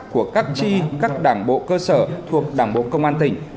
của các tri các đảng bộ cơ sở thuộc đảng bộ công an tỉnh